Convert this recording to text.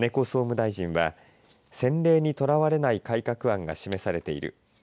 総務大臣は先例にとらわれない改革案が示されている。